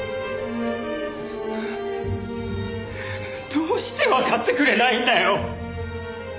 どうしてわかってくれないんだよ。